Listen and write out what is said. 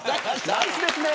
ナイスですね。